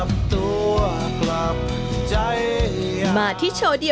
มาที่โชว์เดียวของเรา